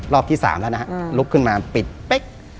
ที่๓แล้วนะฮะลุกขึ้นมาปิดเป๊ก